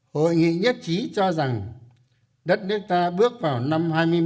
hội nghị nhất trí cho rằng đất nước ta bước vào năm hai nghìn hai mươi một